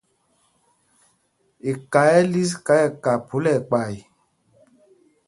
Eka ɛ́ ɛ́ lis ká nɛ ká phúla ɛkpay.